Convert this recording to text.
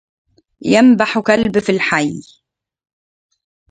ينبح كلب في الحي.